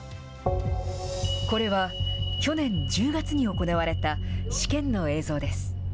これは、去年１０月に行われた試験の映像です。